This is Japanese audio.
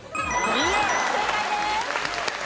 正解です。